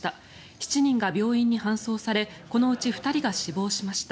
７人が病院に搬送されこのうち２人が死亡しました。